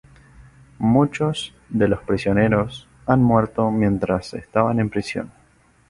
Muchos de sus prisioneros han muerto mientras estaba en prisión.